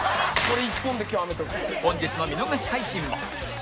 本日の見逃し配信も